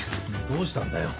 どうしたんだよ？